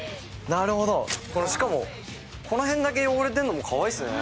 しかも、この辺だけ汚れてるのもかわいいですね。